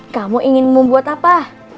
kamu ingin membuat apa